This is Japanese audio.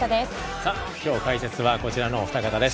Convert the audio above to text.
さあ今日解説はこちらの二方です。